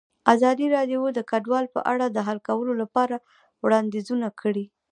ازادي راډیو د کډوال په اړه د حل کولو لپاره وړاندیزونه کړي.